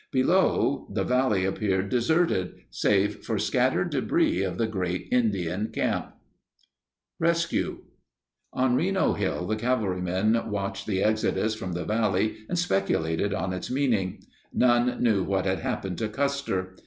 Below, the valley appeared deserted save for scattered debris of the great Indian camp. 4*1 71 Rescue On Reno Hill the cavalrymen watched the exodus from the valley and speculated on its meaning. None knew what had happened to Custer.